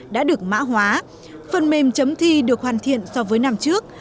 đã được mã hóa phần mềm chấm thi được hoàn thiện so với năm trước